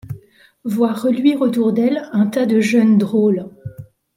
Voir reluire autour d'elle un tas de jeunes drôles !